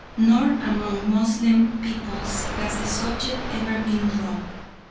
Nor among Moslem peoples has the subject ever been dropped.